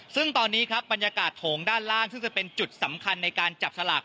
ซึ่งตอนนี้ครับบรรยากาศโถงด้านล่างซึ่งจะเป็นจุดสำคัญในการจับสลาก